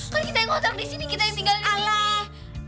kan kita yang ngotak disini kita yang tinggal disini